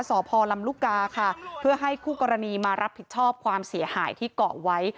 สพลำลูกกาค่ะเพื่อให้คู่กรณีมารับผิดชอบความเสียหายที่เกาะไว้